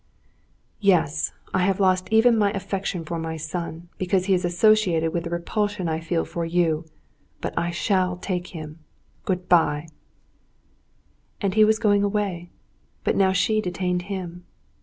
"Yes, I have lost even my affection for my son, because he is associated with the repulsion I feel for you. But still I shall take him. Good bye!" And he was going away, but now she detained him.